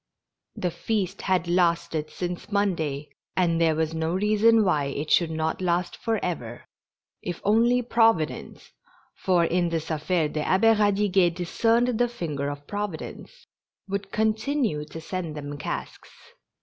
The feast had lasted since Monday, and there was no reason why it should not last forever, if only Providence (for in this affair the Abbe Radiguet discerned the finger of Providence) would continue to send them casks.